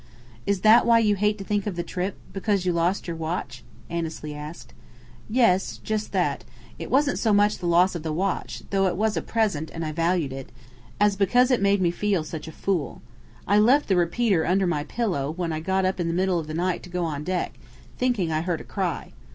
"Is that why you hate to think of the trip because you lost your watch?" Annesley asked. "Yes. Just that. It wasn't so much the loss of the watch though it was a present and I valued it as because it made me feel such a fool. I left the repeater under my pillow when I got up in the middle of the night to go on deck, thinking I heard a cry.